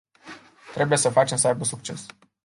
Trebuie să facem să aibă succes.